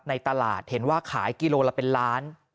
ในตลาดเห็นว่าขายกิโลละเป็นล้าน